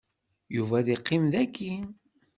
Yuba ad iqqim dagi.